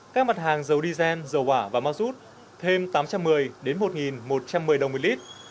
các mặt hàng dầu diesel dầu hỏa và ma rút thêm tám trăm một mươi đến một một trăm một mươi đồng một lít